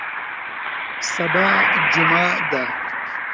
سبا جمعه ده